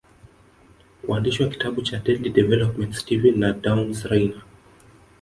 Waandishi wa kitabu cha Deadly Developments Stephen na Downs Reyna